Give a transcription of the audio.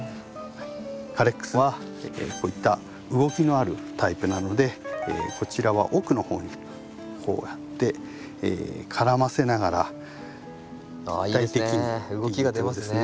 カレックスはこういった動きのあるタイプなのでこちらは奥の方にこうやって絡ませながら立体的にっていうとこですね。